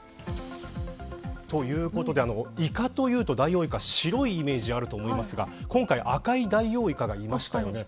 ということでイカというとダイオウイカ白いイメージあると思いますが今回、赤いダイオウイカがいましたよね。